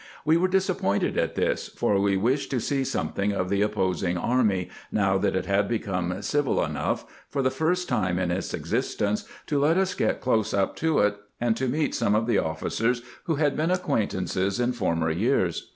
"We were disappointed at this, for we wished to see something of the opposing army, now that it had become civil enough, for the first time in its exis tence, to let us get close up to it, and to meet some of the ofB cers who had been acquaintances in former years.